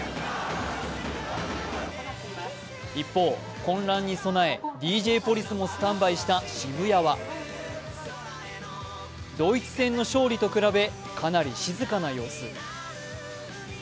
一方、混乱に備えＤＪポリスもスタンバイした渋谷は、ドイツ戦の勝利と比べ、かなり静かな様子。